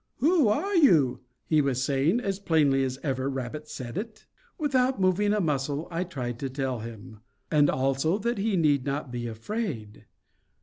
"Who are you?" he was saying, as plainly as ever rabbit said it. Without moving a muscle I tried to tell him, and also that he need not be afraid.